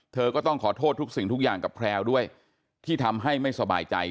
เธอก็ต้องขอโทษทุกสิ่งทุกอย่างกับแพลวด้วยที่ทำให้ไม่สบายใจ